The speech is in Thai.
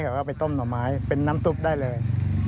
เขาก็เอาไปต้มหน่อไม้เป็นน้ำตุ๊กได้เลย